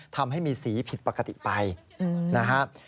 ทำให้มีสีผิดปกติไปนะครับ